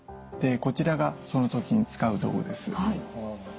こちらがその時に使う道具です。